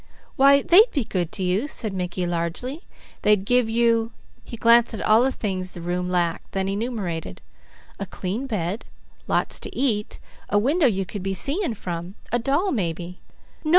"Why they'd be good to you," said Mickey largely. "They'd give you" he glanced at all the things the room lacked, then enumerated "a clean bed, lots to eat, a window you could be seeing from, a doll, maybe." "No!